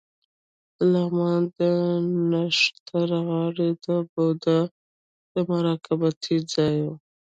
د لغمان د نښتر غار د بودا د مراقبې ځای و